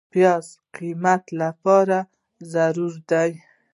پیاز د قیمې لپاره ضروري دی